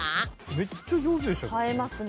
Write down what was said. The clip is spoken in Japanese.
めっちゃ上手でしたけどね。